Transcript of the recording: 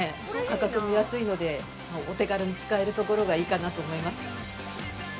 価格も安いのでお手軽に使えるところがいいかなと思います。